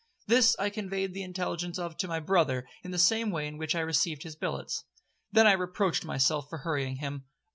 This I conveyed the intelligence of to my brother in the same way in which I received his billets. Then I reproached myself for hurrying him.